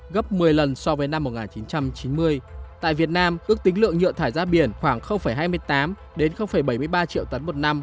gấp một mươi lần so với năm một nghìn chín trăm chín mươi tại việt nam ước tính lượng nhựa thải ra biển khoảng hai mươi tám bảy mươi ba triệu tấn một năm